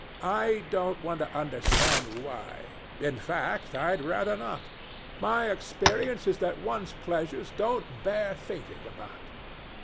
I don't want to understand why. In fact, I'd rather not. My experience is that one's pleasures don't bear thinking about.